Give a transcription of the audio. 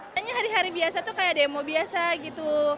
hanya hari hari biasa tuh kayak demo biasa gitu